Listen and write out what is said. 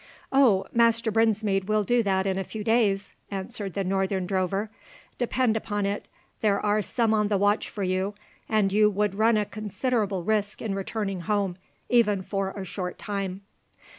"Oh, Master Brinsmead will do that in a few days!" answered the northern drover; "depend upon it there are some on the watch for you, and you would run a considerable risk in returning home, even for a short time."